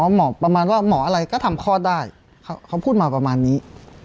หมอประมาณว่าหมออะไรก็ทำคลอดได้เขาพูดมาประมาณนี้